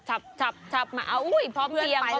อ่ะชับมาอุ๊ยพร้อมเตียงพร้อมเตียง